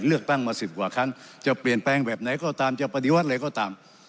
เลือกตั้งมา๑๐กว่าครั้งจะเปลี่ยนแปลงแบบไหนก็ตามจะปฏิวัติอะไรก็ตาม